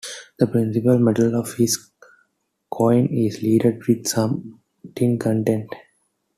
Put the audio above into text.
The principal metal of this coin is lead with some tin content.